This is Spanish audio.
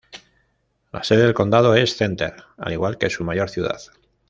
La sede del condado es Center, al igual que su mayor ciudad.